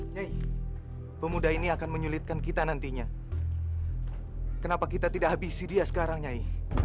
nyai pemuda ini akan menyulitkan kita nantinya kenapa kita tidak habisi dia sekarang nyai